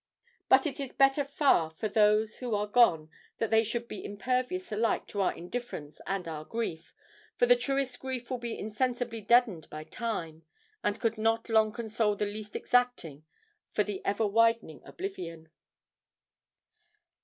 But it is better far for those who are gone that they should be impervious alike to our indifference and our grief, for the truest grief will be insensibly deadened by time, and could not long console the least exacting for the ever widening oblivion.